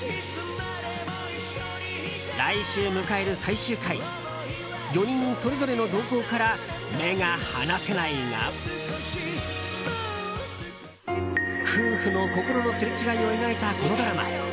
来週迎える最終回４人それぞれの動向から目が離せないが夫婦の心のすれ違いを描いたこのドラマ。